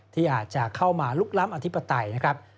ที่อาจจะเข้ามาลุกล้ำอธิปไตยนะครับ